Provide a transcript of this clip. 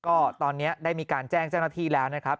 ก็ตอนนี้ได้มีการแจ้งเจ้าหน้าที่แล้วนะครับ